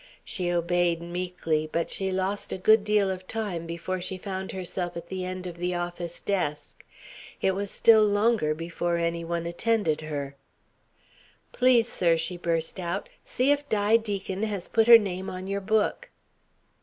She obeyed meekly, but she lost a good deal of time before she found herself at the end of the office desk. It was still longer before any one attended her. "Please, sir!" she burst out. "See if Di Deacon has put her name on your book."